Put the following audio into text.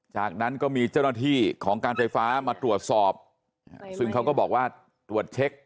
จากนั้นก็มีเจ้าหน้าที่ของการไฟฟ้ามาตรวจสอบซึ่งเขาก็บอกว่าตรวจเช็ค